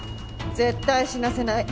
絶対死なせない。